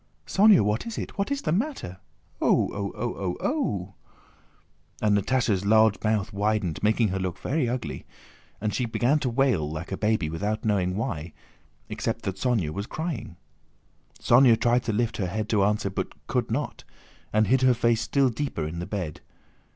"Sónya! What is it? What is the matter?... Oo... Oo... Oo...!" And Natásha's large mouth widened, making her look quite ugly, and she began to wail like a baby without knowing why, except that Sónya was crying. Sónya tried to lift her head to answer but could not, and hid her face still deeper in the bed.